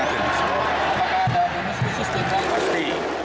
apakah ada bonus di sistem